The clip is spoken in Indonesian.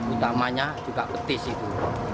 utamanya juga petis itu